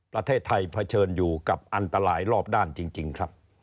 ประเทศไทยเผชิญอยู่กับอันตรายรอบด้านจริงครับ